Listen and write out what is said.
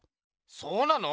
そうなの？